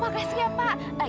makasih ya pak